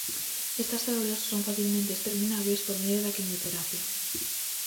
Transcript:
Estas células son facilmente exterminables por medio da quimioterapia.